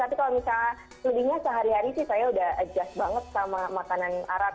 tapi kalau misalnya selebihnya sehari hari sih saya udah adjust banget sama makanan arab